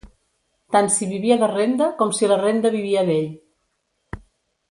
Tant si vivia de renda com si la renda vivia d'ell